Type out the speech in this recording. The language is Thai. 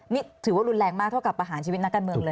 นี่ถือว่ารุนแรงมากเท่ากับประหารชีวิตนักการเมืองเลย